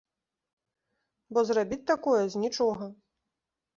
Бо зрабіць такое з нічога!